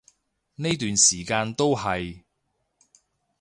呢段時間都係